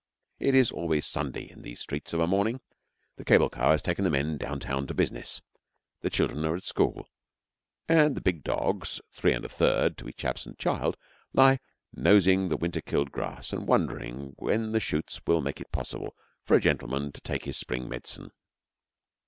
It is always Sunday in these streets of a morning. The cable car has taken the men down town to business, the children are at school, and the big dogs, three and a third to each absent child, lie nosing the winter killed grass and wondering when the shoots will make it possible for a gentleman to take his spring medicine.